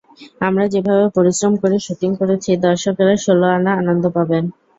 আমরা যেভাবে পরিশ্রম করে শুটিং করেছি, দর্শকেরা ষোলো আনা আনন্দ পাবেন।